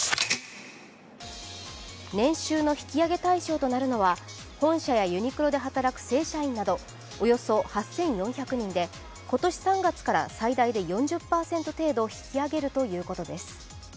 年収の引き上げ対象となるのは本社やユニクロで働く正社員などおよそ８４００人で、今年３月から最大で４０％程度引き上げるということです。